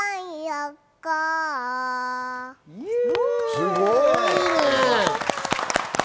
すごいね。